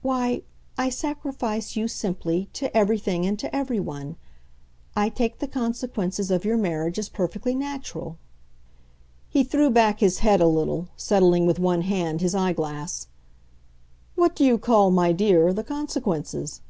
"Why, I sacrifice you, simply, to everything and to every one. I take the consequences of your marriage as perfectly natural." He threw back his head a little, settling with one hand his eyeglass. "What do you call, my dear, the consequences?"